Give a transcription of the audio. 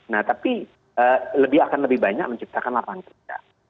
nah tapi akan lebih banyak menciptakan lapangan kerja